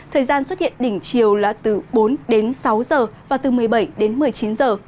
thời gian xuất hiện đỉnh chiều là từ bốn sáu h và từ một mươi bảy một mươi chín h